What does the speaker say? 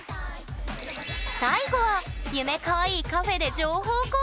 最後はゆめかわいいカフェで情報交換！